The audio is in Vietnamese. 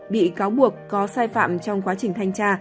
bị cáo buộc có sai phạm trong quá trình thanh tra